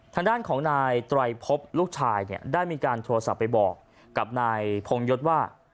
ทางด้านของนายไตรพบลูกชายเนี่ยได้มีการโทรศัพท์ไปบอกกับนายพงยศว่า